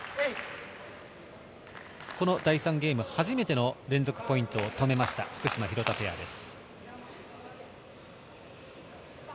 第３ゲーム、初めての連続ポイントを取りました福島・廣田ペアです。